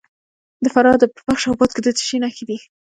د فراه په بخش اباد کې د څه شي نښې دي؟